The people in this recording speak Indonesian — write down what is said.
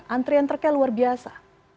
antrian truknya luar biasa